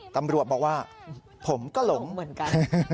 ตำรวจบอกว่าผมก็หลงเหมือนกัน